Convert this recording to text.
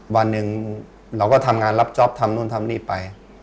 วันหนึ่งเราก็ทำงานรับจ๊อปทำนู่นทำนี่ไป